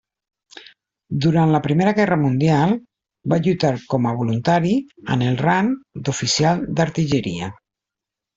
Durant la Primera Guerra Mundial, va lluitar com a voluntari, amb el rang d'oficial d'artilleria.